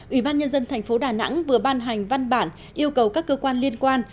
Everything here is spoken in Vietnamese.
ủy ban nhân dân tp đà nẵng vừa ban hành văn bản yêu cầu các cơ quan liên quan